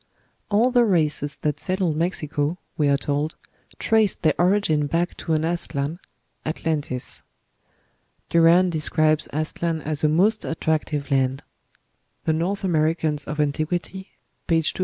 All the races that settled Mexico, we are told, traced their origin back to an Aztlan (Atlan tis). Duran describes Aztlan as "a most attractive land." ("North Amer. of Antiq.," p. 257.)